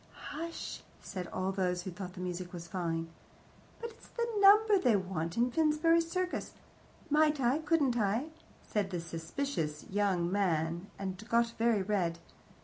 "Hush!" said all those who thought the music fine. "But it's the number they want in Finsbury Circus " "Might I couldn't I " said the suspicious young man, and got very red.